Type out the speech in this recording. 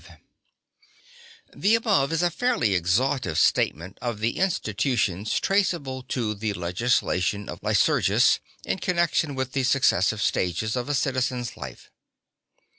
V The above is a fairly exhaustive statement of the institutions traceable to the legislation of Lycurgus in connection with the successive stages (1) of a citizen's life.